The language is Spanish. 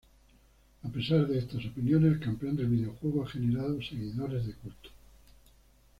A pesar de estas opiniones, ""El campeón del videojuego"" ha generado seguidores de culto.